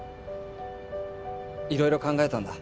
いろいろ考えたんだ。